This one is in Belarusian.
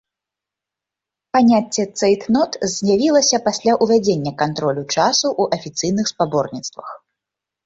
Паняцце цэйтнот з'явілася пасля ўвядзення кантролю часу ў афіцыйных спаборніцтвах.